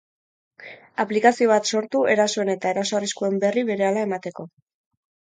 Aplikazio bat sortu, erasoen eta eraso-arriskuen berri berehala emateko.